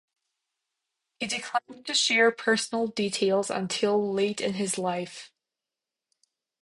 He declined to share personal details until late in his life.